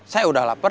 saya udah lapar